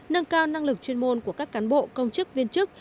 nâng cao năng lực chuyên môn của các cán bộ công chức viên chức